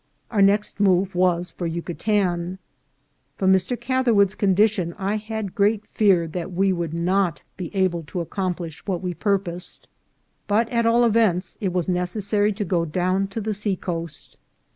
Our next move was for Yucatan. From Mr. Catherwood's condition I had great fear that we would not be able to accomplish what we purposed ; but, at all events, it was necessary to go down to the seacoast.